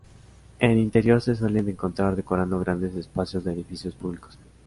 En interior se suelen encontrar decorando grandes espacios de edificios públicos.